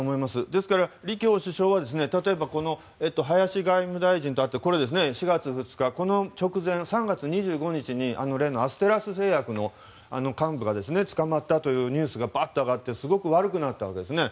ですから、李強首相は例えば、林外務大臣と会った４月２日、この直前３月２５日に例のアステラス製薬の幹部が捕まったというニュースがあってすごく悪くなったんですね。